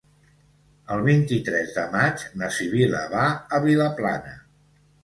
El vint-i-tres de maig na Sibil·la va a Vilaplana.